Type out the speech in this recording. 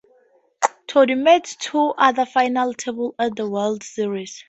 Todd made two other final tables at the World Series.